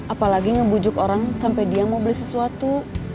apalagi ngebujuk orang sampai dia mau beli sesuatu